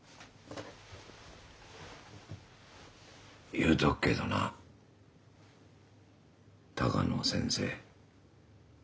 言うとくけどな鷹野先生。